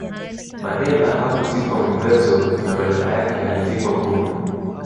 Mandela hakuzikwa Mvezo na badala yake alizikwa Qunu